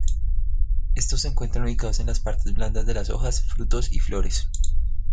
Estos se encuentran ubicados en las partes blandas de las hojas, frutos y flores.